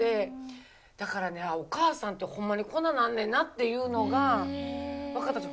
だからねお母さんってホンマにこんななんねんなっていうのが分かったんですよ。